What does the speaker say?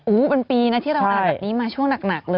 โอ้โหเป็นปีนะที่เราอ่านแบบนี้มาช่วงหนักเลย